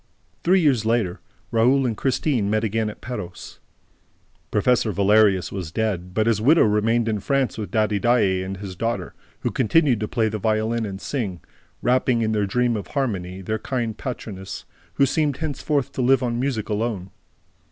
Three years later, Raoul and Christine met again at Perros. Professor Valerius was dead, but his widow remained in France with Daddy Daae and his daughter, who continued to play the violin and sing, wrapping in their dream of harmony their kind patroness, who seemed henceforth to live on music alone.